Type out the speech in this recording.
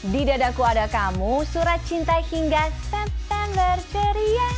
di dadaku ada kamu surat cinta hingga september ceria